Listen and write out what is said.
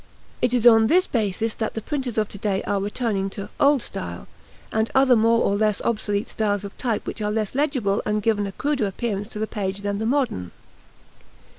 It is on this basis that the printers of today are returning to "old style," and other more or less obsolete styles of type which are less legible and give a cruder appearance to the page than the "modern."